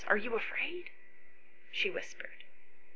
Are you afraid?" she whispered.